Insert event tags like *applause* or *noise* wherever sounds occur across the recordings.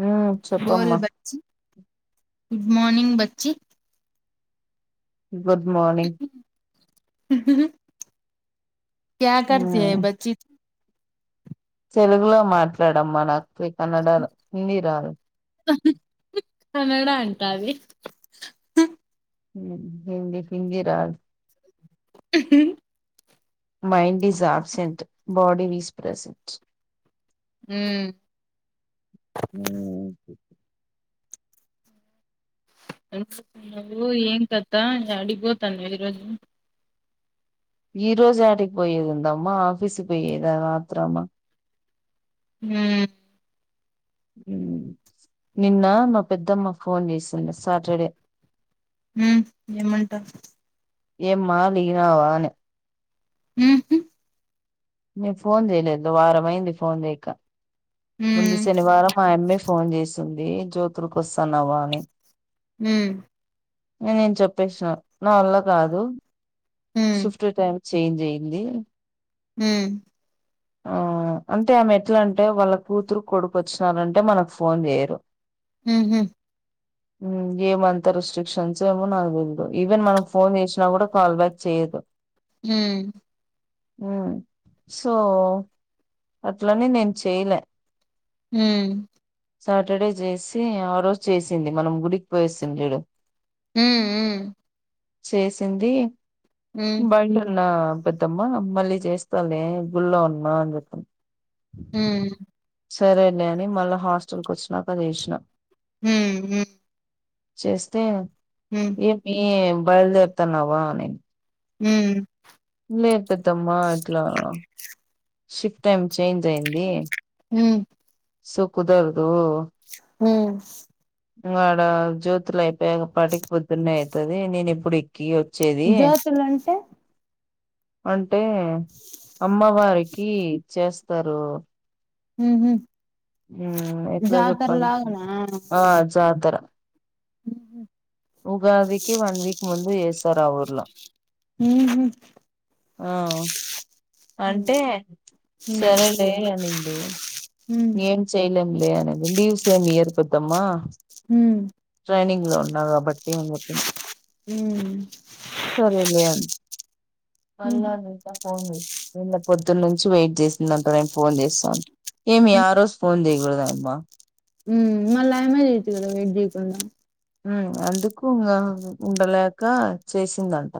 హ్మ్ బోల్ చెప్పమ్మా బచ్చి గుడ్ మార్నింగ్ బచ్చి గుడ్ మార్నింగ్ క్యా కర్తే హే ఉమ్ బచ్చీ తు తెలుగులో మాట్లాడమ్మా నాకు కన్నడలో హిందీ రాదు కన్నా అంట అది హింది హిందీ రాదు mind is absent body is present ఉమ్, నువ్వు ఏం కతా యాడికి బోతాన్నవు ఈరోజు ఈ రోజు యాటికి పోయేది ఉందమ్మ ఆఫీసుకి పోయేది ఆత్రమ హ్మ్ నిన్న మా పెద్దమ్మ ఫోన్ చేసింది సాటర్డే హ్మ్ ఏమంటా ఏమ్మా దిగినావ అని ఊహు నే ఫోన్ చేయలేదులే వారం అయింది ఫోన్ చేయక ముందు ఉమ్ శనివారం ఆ అమ్మె ఫోన్ చేసింది ఏ జ్యోతులకి వస్తాన్నావా అని హ్మ్ నేనేం చెప్పేసిన నా వల్ల కాదు ఉమ్ షిప్ట్ టైం చేంజ్ అయింది హ అవును అంటే ఆమె ఎట్లా అంటే వాళ్ళ కూతురు కొడుకు వచ్చినారంటే మనకు ఫోన్ చేయ ఉహు ఏమంత రిస్టిక్షన్స్ ఏమో నాకు తెల్ దు ఈవెన్ మనం ఫోన్ చేసినా కూడా కాల్ బ్యాక్ చేయ్యదు ఉమ్ ఊ సో అట్లనే నేను చేయలే ఉమ్ సాటర్డే చేసి ఆ రోజు చేసింది మనం గుడికి పోయేసింది లేడు ఉ ఉ చేసింది బయట ఉన్న పెద్దమ్మా మళ్ళీ చేస్తాలే గుళ్లో ఉనమా అని చెప్ప ఊ సరేలేడి అని మళ్ళీ హాస్టల్ క వచ్చినాక అది చేసినా ఉహ్ ఉ చేస్తే ఏమి బయలుదేరుతాన్నావా నే ఉ లే పెద్దమ్మా ఎట్లా షిప్ టైం చేంజ్ అయింది సుకుదరదు ఉ మారా జ్యోతి లైఫ్ నా పని పొద్దున్నే ది నేను ఇప్పుడు ఎక్కి జ్యోతులు అంటే అం ఎ అమ్మవారి ఇ చేస్తారు ఉహు ఉ.. ఎట్లా చెప్పాలి జాతరలాగనా ఆ జాతర ఉ వేరా ఊర్లా ఉహు ఆ అంటే ఉమ్ సరేలే అనింది హ్మ్ ఏం చేయలేం లే అనే లీవ్ సేమియర్కుద్దమ్మా హ ఉన్నా బట్ హ్మ్ సరేలే హుహు అలా నింతా పో పొద్దున్నను నుంచి వెయిట్ చేసిందంట నేను ఫోన్ చేస్తాను ఏమి హ్మ్ ఆ రోజు ఫోన్ చేయకూడదా అమ్మా మల్లా ఆ యమ్మ చేయొచ్చు గదా వెయిట్ చేయకుండా ఉ అందు కు ఉండల కా చేసిందంటా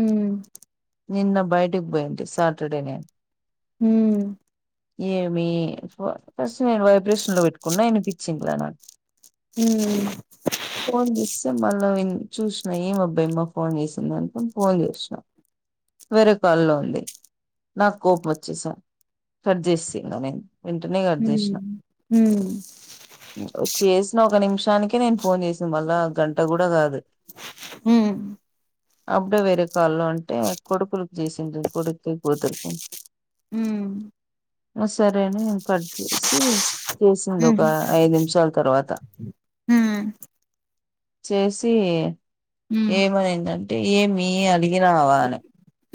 ఉ నిన్న బయటికి పోయంటి సాటర్డే నేను హ ఏమి ఫస్ట్ నేను వైబ్రేషన్ లో పెట్టుకున్నా అనిపించింగ్లా నాకు హ్మ్ ఫన్ దస్స మల్ నవీన్ చూసినా ఏం అబ్బాయిమ్మ ఫోన్ చేసింది అనుకోని ఫోన్ చేసినాం వేరే కాల్లో ఉంది నాకు కోపం వచ్చేసా సర్జస్తను నేను వెంటనే కట్ హ్మ్ చేసినా హ్మ్ వచ్చసిన ఒక నిమిషం చానికే నేను ఫోన్ చేసాను మళ్ళా గంట కూడా కాదు హ అప్పుడ వెర కాలం అంటే కొడుకులకు చేసింది కొడుకులకి కూతురికి సరేని కట్ చేసి చేసింది హ్మ్ హ్మ్ ఒక ఐదు నిమిషాల తర్వాత చేసి ఏమనిందంటే ఏమి అడిగినావా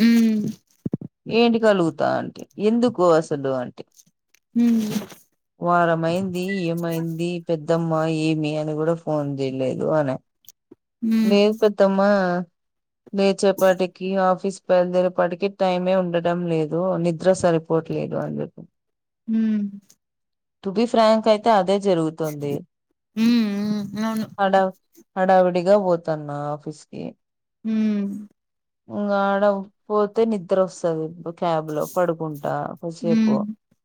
హ్మ్ హ్మ్ ఏంటి కలుగుతా అంటే ఎందుకు అసలు అంటే వారంమైంది ఏమైంది పెద్దమ్మ ఏమి అని కూడా ఫోన్ చేయలేదు అనే హ్మ్ హ్మ్ లేదు పెద్దమ్మ లేచేపాటికి ఆఫీస్ బయలుదేరేపాటికి టైమే ఉండట లేదు నిద్ర సరిపోట్లేదు అని చె హ్మ్ హ్మ్ హ్మ్ టూ బి ఫ్రాంక్ అయితే అదే జరుగుతుంది హ్మ్ అవును హడావిడిగా పోతన్న ఆఫీస్ కి హ్మ్ అతే నిద్ర వస్తుంది క్యాబ్ లో పడుకుంటా కాసేపు హ్మ్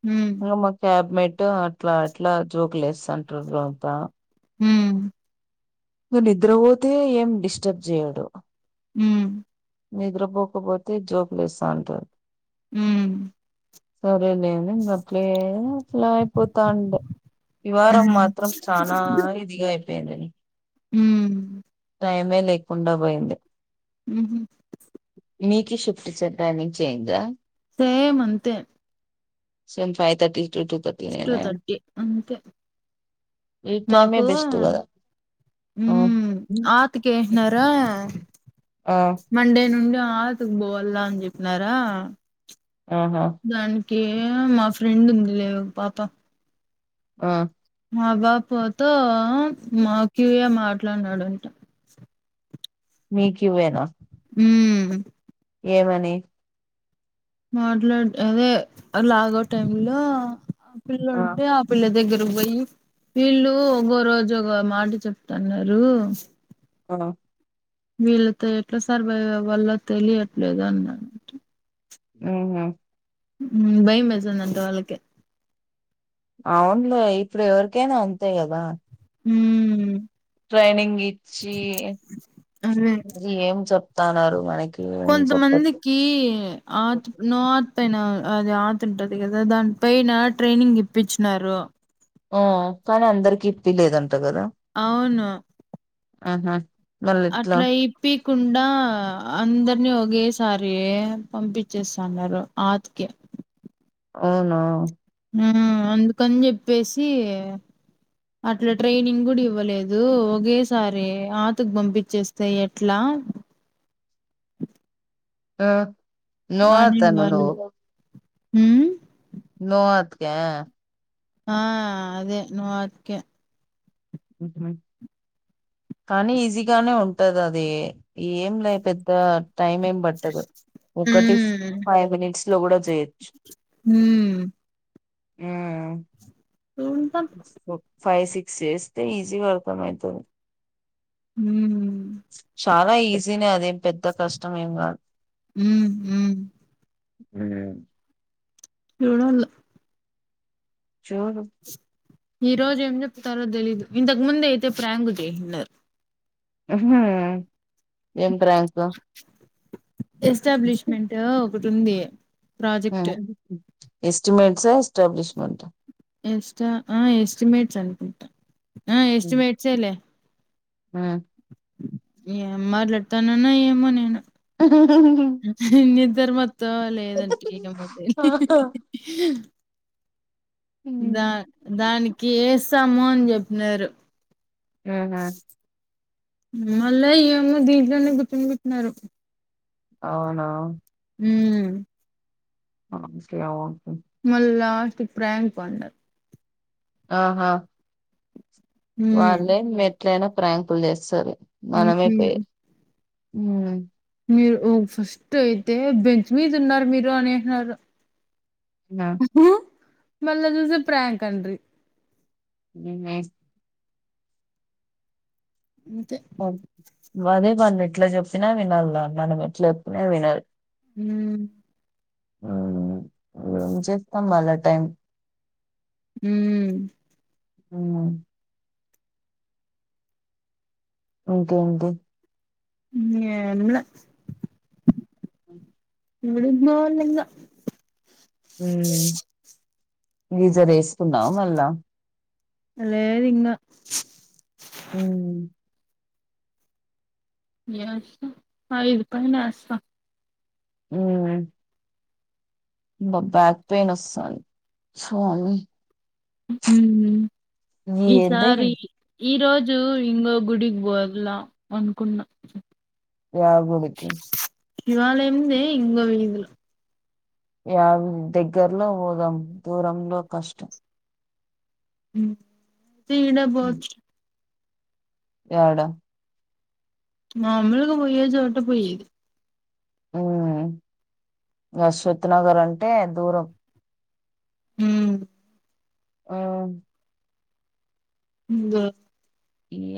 హ్మ్ ఇంకా మా క్యాబ్ మేట్ అట్లా అట్లా జోకులు వస్తంటారు అంత హ్మ్ నువ్ నిద్రపోతే ఏం డిస్టర్బ్ చేయడు హ్మ్ నిద్రపోకపోతే జో పలేస్తా అంటది హ్మ్ సరేలేను అట్లే అట్లా అయిపోతాండ వివారం హ్మ్ మాత్రం చాలా ఇదిగా పందని హ్మ్ టైమే లేకుండా పోయింది ఉ మీకు షిఫ్ట్ ఇచ్చే ప్లానింగ్ చేయందా సేమంతే ఫైర్టీ టూ థర్టీ అంతే ఈ టైమే మాకు బెస్ట్ కదా ఆ ఆతికినారా ఆ మండే నేనుండి ఆతుకు బల్దా అని చెప్పినారా ఆహా కే మా ఫ్రెం ఉందిలే పాత ఆ మా పాపతో మా అఖిలే మాట్లాడినాడంట మీ క్యూయేనా ఉమ్ ఏమని మాట్లాడ అదే లాగో టైమ్ లో ఆ పిల్ల ఉంటే ఆ పిల్ల దగ్గర పోయి వీళ్ళు ఒకోరోజు ఒకో మాట చెప్తున్నారు ఆ వీళ్ళతో ఎట్లా సర్వైవ్ అవ్వాలో తెలియట్లేదు అన్నాడంట ఆహ భయమేస్తుంది అంట వాళ్ళకి అవునులే ఇప్పుడు ఎవరికైనా అంతే కదా ఉమ్ ట్రైనింగ్ ఇచ్చి అదే ఏం చెప్ ఇస్తాన్నారు మనకి ఏం చెప్పట్లే కొంతమందికి ఆది నాత్ పైన అది ఆకుంటది కదా దాని పైన ట్రైనింగ్ ఇప్పించినారు ఆ కానీ అందరికి ఇప్పిలేదంట కదా అవును ఆహా మళ్ళీ ఎట్లా అట్లా ఈ పీక్ కుండా అందరినీ ఒకేసారి పంపించేస్తున్నారు ఆటికి అవునా మ్ అందుకని చెప్పేసి అట్లా ట్రైనింగ్ కూడా ఇవ్వలేదు ఒకేసారి ఆటకు పంపించేస్తే ఎట్లా ఆ నువ్వు పోతున్నావా నువ్వు మ్ నోవాత్క ఆ అదే నువ్వత్కే ఉహూ కానీ ఈజీగానే ఉంటది అది ఏం లే పెద్ద టైమ్ ఏం పట్టదు ఒకటి మ్మ్ ఫైవ్ మినిట్స్ లోగుడ చేయచ్చు మ్ ఆ చూద్దాం ఫైవ్ సిక్స్ చేస్తే ఈజీ గా అర్థమయితది మ్మ్ చాలా ఈజీనే అదేం పెద్ద కష్టమేం కాదు ఉమ్ ఉమ్ అ చూడాలా చూడు ఈ రోజు ఏం చెప్తారో దెలీదు ఇంతకు ముందే అయితే ప్రాంకు చేశ్నారు హ్మ్ ఎం ప్రాంకు ఎస్టాబ్లిష్మెంట్ ఒక ఉుందీ మ్ ఎస్టిమేట్స్ ఎస్టాబ్లిష్మెంట్ ఎస్టా అహ ఎస్టిమేట్స్ అనుకుంటా ఆ ఎస్టిమేట్సే లె ఆ ఏ మాట్లాతానన్న ఏమో నేను ఇద్దర్ మ లేదంటే ఇక ముంది హి అ హ హ దా దానికి సము అని జెప్నారు ఊహు మళ్ళా ఇమో దీంట్లోనే గుర్తుంపెన్నారు అవునా ఉం ఆకె అవ మళ్ళ లాస్ట్ ప్రాంక్ అంటడు ఆహా ఉమ్ వాళ్ళే మె ఎట్లయినా ప్రాంకుల్ చేస్తరు మ్హ్ మ్ మీరు ఫస్ట్ అయితే బెంచ్ మీద ఉన్నారు మీరు అనేహ్నరు ఆ హ మళ్ళ దూసే ప్రయాంక్ అంట్రి ఉంన అంతే అవును వదే వాళ్ళ్ ఎట్ల చెప్పినా వినాలి మనం ఎట్లా చెప్పినా వినాలి హం ఆ మ్ స్తంభాల టైం మ్ ఉ ఇంకేంటి ఎం లే మ్ ఇవడుందలంద మ్ గీజర్ వేసుకున్నా మళ్ళ దా అ లేేది ఇంగ మ్ అది ఇది పైన ఎస్తా మ్ బ్యాక్ పెయిన్ వస్థాంది స్వామి హమ్ ఈ ఎండ ఈ ఈసారి ఈ రోజు ఇంగో గుడికి పోలా అనుకున్నా య గుడికి శివాలయంముంది ఇంగ వీదల య దగ్గరలో పోదాం దూరంలో కష్టం మ్ తీడా ఉమ్. బోతు యాడ మాములుగా పోయి చోట పోయి ఉ అశ్వథ నగర్ అంటే దూరం మ్ ఆ ఇంగ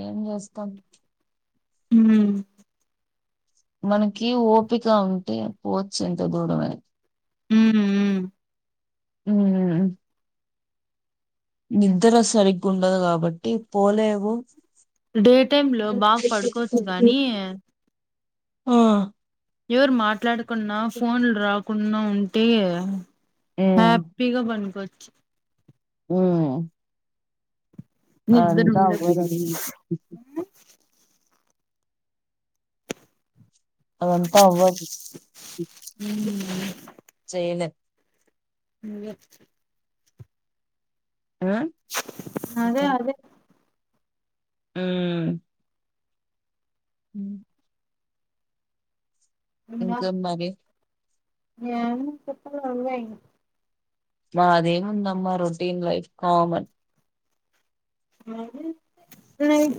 ఏం చేస్తాం మ్ మనకి ఓపిక ఉంటే పోవచ్చు ఎంత దూరం గాని మ్ మ్ ఉ నిద్ర సరిగ్ ఉండదు కాబట్టి పోలేవు డే టైమ్ లో బాగా పడుకోవచ్చు గానీ ఆ ఎవరు మాట్లాడు కున్నా ఫోన్ రావ్ కున్న ఉంటే ఉమ్, హాపీగా బన్కో ఊ నిద్ర అదంతా ఉండదు అవ్వదండి అదంతా అవ్వదు ఆ చైను నువ్వే చెప్పు అదే అదే *unintelligible* హ్మ్ హ్మ్ ఇంకేం మరి *unintelligible* చెప్పాలి నువ్వే మాదేముందమ్మ రొటీన్ లైఫ్ కామన్ నైఫ్